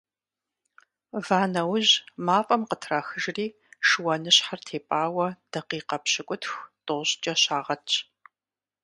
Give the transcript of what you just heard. Ва нэужь, мафӀэм къытрахыжри, шыуаныщхьэр тепӀауэ дакъикъэ пщыкӏутху-тӏощӏкӏэ щагъэтщ.